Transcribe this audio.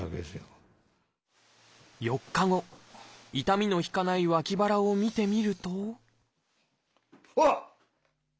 痛みの引かない脇腹を見てみるとうわっ！